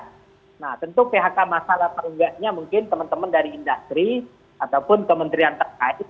nah tentu phk masal atau enggaknya mungkin teman teman dari industri ataupun kementerian terkait